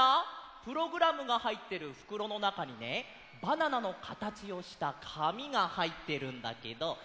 プログラムがはいってるふくろのなかにねバナナのかたちをしたかみがはいってるんだけど。